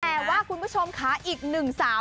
แต่ว่าคุณผู้ชมค่ะอีกหนึ่งสาว